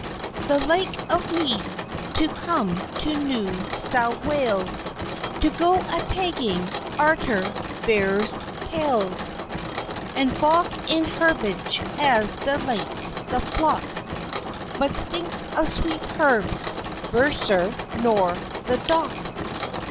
"The Like of Me, to come to New Sow Wales To go a tagging arter Vethers' Tails And valk in Herbage as delights the Flock, But stinks of Sweet Herbs vorser nor the Dock!